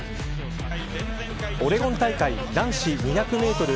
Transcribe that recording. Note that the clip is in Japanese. オレゴン大会男子２００メートル